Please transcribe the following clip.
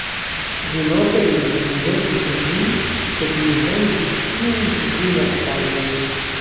Kvinope ili sin ĵetis sur min, sed mi venkis ĉiujn kvin atakantojn.